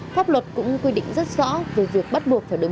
pháp luật cũng quy định rất rõ về việc bắt buộc phải đứng